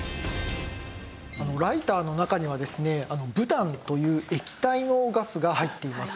ライターの中にはですねブタンという液体のガスが入っています。